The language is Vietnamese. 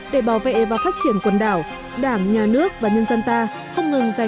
để bảo vệ và phát triển quần đảo đảng nhà nước và nhân dân ta